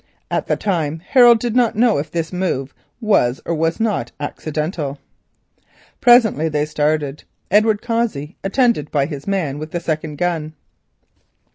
At the time Harold did not know if this move was or was not accidental. Presently they started, Edward Cossey attended by his man with the second gun.